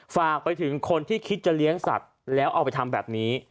ฝากไปถึงคนที่คิดจะเลี้ยงสัตว์แล้วเอาไปทำแบบนี้